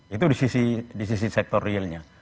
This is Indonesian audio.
itu di sisi sektor realnya